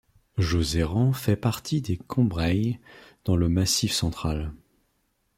Jozerand fait partie des Combrailles dans le Massif Central.